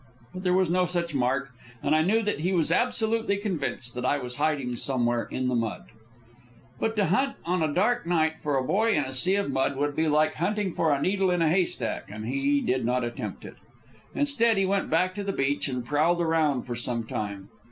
But there was no such mark; and I knew that he was absolutely convinced that I was hiding somewhere in the mud. But to hunt on a dark night for a boy in a sea of mud would be like hunting for a needle in a haystack, and he did not attempt it. Instead he went back to the beach and prowled around for some time.